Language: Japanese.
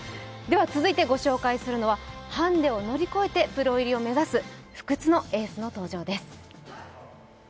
続いてご紹介するのはハンデを乗り越えてプロ入りを目指す不屈のエースの登場です。